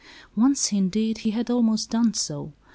Once, indeed, he had almost done so.